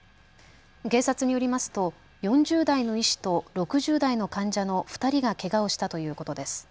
警察によりますと４０代の医師と６０代の患者の２人がけがをしたということです。